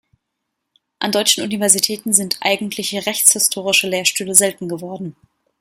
An deutschen Universitäten sind eigentliche rechtshistorische Lehrstühle selten geworden.